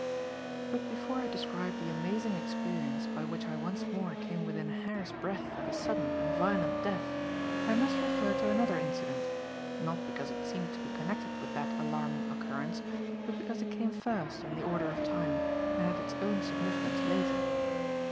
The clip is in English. But before I describe the amazing experience by which I once more came within a hair's breadth of sudden and violent death, I must refer to another incident; not because it seemed to be connected with that alarming occurrence, but because it came first in the order of time, and had its own significance later.